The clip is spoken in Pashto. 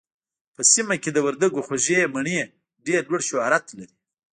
په سيمه کې د وردګو خوږې مڼې ډېر لوړ شهرت لري